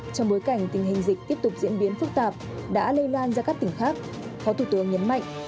trong bối cảnh tình hình dịch tiếp tục diễn biến phức tạp đã lây lan ra các tỉnh khác phó thủ tướng nhấn mạnh